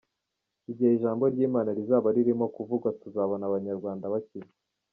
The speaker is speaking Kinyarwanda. Igihe ijambo ry’Imana rizaba ririmo kuvugwa tuzabona Abanyarwanda bakizwa.